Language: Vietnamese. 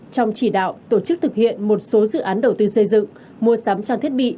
trong chỉ đạo tổ chức thực hiện một số dự án đầu tư xây dựng mua sắm trang thiết bị